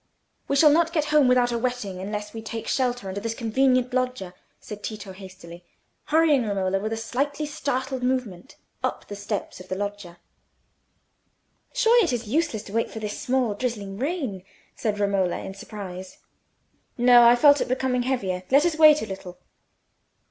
"We shall not get home without a wetting, unless we take shelter under this convenient loggia," Tito said, hastily, hurrying Romola, with a slightly startled movement, up the step of the loggia. "Surely it is useless to wait for this small drizzling rain," said Romola, in surprise. "No: I felt it becoming heavier. Let us wait a little."